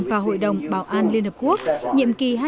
và hội đồng bảo an liên hợp quốc nhiệm kỳ hai nghìn hai mươi